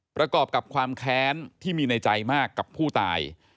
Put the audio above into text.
ประกอบกับความแค้นที่มีในใจมากกับผู้ตาย